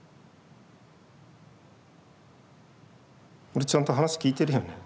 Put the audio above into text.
俺ちゃんと話聞いてるよね？